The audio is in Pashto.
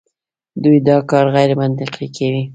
دوی دا کار غیرمنطقي کوي.